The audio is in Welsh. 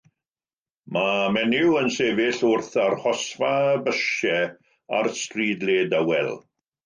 Mae menyw yn sefyll wrth arhosaf bysiau ar stryd led dawel.